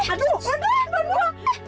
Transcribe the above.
aduh aduh aduh